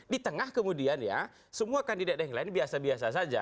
di tengah kemudian ya semua kandidat yang lain biasa biasa saja